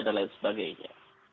dan lain sebagainya